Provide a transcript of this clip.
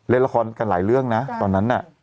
เล่นละครกันหลายเรื่องนะตอนนั้นน่ะ